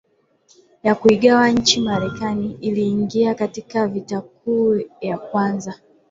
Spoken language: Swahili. ya kuigawa nchi ya Marekani iliingia katika Vita Kuu ya Kwanza